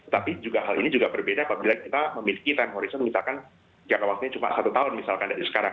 tapi hal ini juga berbeda apabila kita memiliki time horizon misalkan jangka waktunya cuma satu tahun misalkan dari sekarang